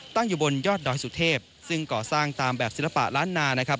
ตั้งอยู่บนยอดดอยสุเทพซึ่งก่อสร้างตามแบบศิลปะล้านนานะครับ